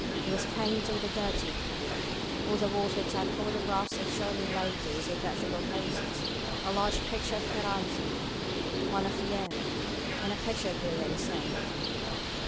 It was painted a dirty gray. On the walls were tacked photographs of showy ladies in theathrical poses, a large picture of Carranza, one of Fierro, and a pic ture of Villa himself.